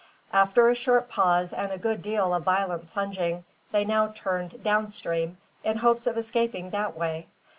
After a short pause and a good deal of violent plunging, they now turned down stream, in hopes of escaping that way.